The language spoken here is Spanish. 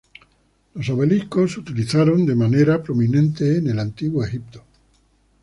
Los obeliscos se utilizaron de manera prominente en el Antiguo Egipto.